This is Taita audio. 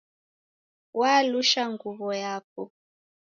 Walusha nguw'o yapo